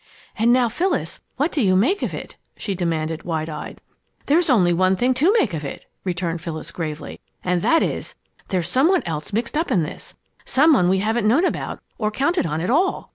"And now, Phyllis, what do you make of it?" she demanded, wide eyed. "There's only one thing to make of it," returned Phyllis, gravely, "And that is there's some one else mixed up in this some one we haven't known about or counted on at all!